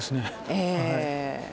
ええ。